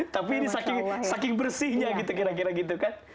tapi ini saking bersihnya gitu kira kira gitu kan